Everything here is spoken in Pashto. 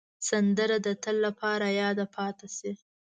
سندره د تل لپاره یاده پاتې شي